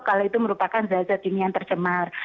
kalau itu merupakan zat zat kimia yang tercemar